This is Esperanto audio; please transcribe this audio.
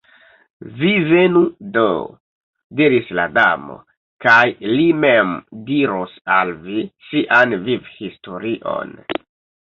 "Vi venu, do," diris la Damo, "kaj li mem diros al vi sian vivhistorion."